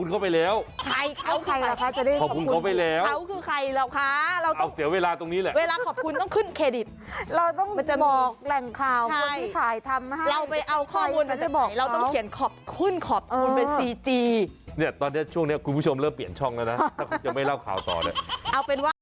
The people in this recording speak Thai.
ก็เดี๋ยวล่ะนะเดี๋ยวไม่เล่าข่าวต่ออย่างนั้น